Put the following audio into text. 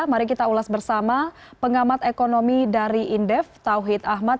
mari kita ulas bersama pengamat ekonomi dari indef tauhid ahmad